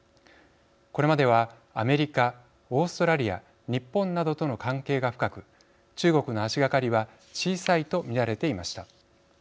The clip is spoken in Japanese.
これまではアメリカ、オーストラリア日本などとの関係が深く中国の足がかりは小さいと見られていました。